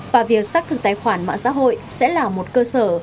và việc xác thực tài khoản mạng xã hội sẽ là một cơ sở